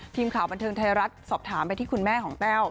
ทีมข่าวบันเทิงไทยรัฐสอบถามไปที่คุณแม่ของแต้ว